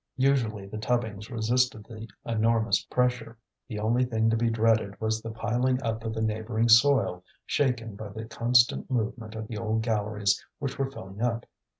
Usually the tubbings resisted the enormous pressure; the only thing to be dreaded was the piling up of the neighbouring soil, shaken by the constant movement of the old galleries which were filling up.